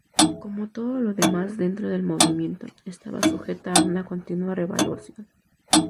Como todo lo demás dentro del movimiento, estaba sujeta a una continua revaluación.